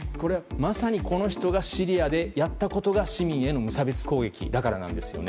まさに、この人がシリアでやったことが市民への無差別攻撃だからなんです。